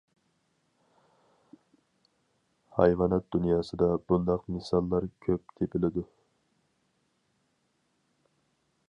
ھايۋانات دۇنياسىدا بۇنداق مىساللار كۆپ تېپىلىدۇ.